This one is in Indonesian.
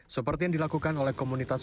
seperti yang dilakukan oleh komunitas